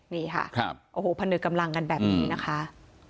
นี่ค่ะโอ้โหพนึกกำลังกันแบบนี้นะคะ